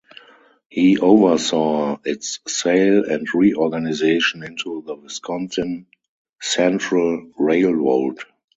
He oversaw its sale and reorganization into the Wisconsin Central Railroad.